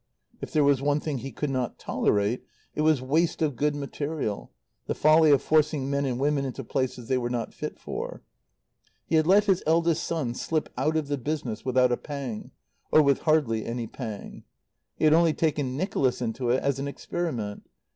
If there was one thing he could not tolerate it was waste of good material, the folly of forcing men and women into places they were not fit for. He had let his eldest son slip out of the business without a pang, or with hardly any pang. He had only taken Nicholas into it as an experiment.